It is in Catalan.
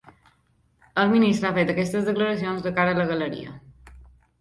El ministre ha fet aquestes declaracions de cara a la galeria.